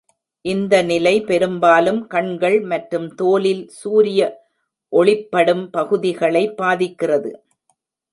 இந்த நிலை பெரும்பாலும் கண்கள் மற்றும் தோலில் சூரிய ஒளிப்படும் பகுதிகளை பாதிக்கிறது.